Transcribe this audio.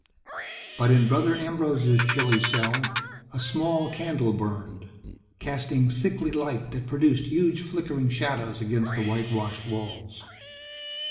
But in Brother Ambrose's chilly cell, a small candle burned casting sickly light that produced huge flickering shadows against the whitewashed walls.